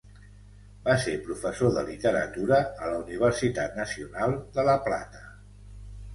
Va ser professor de literatura a la Universitat Nacional de La Plata.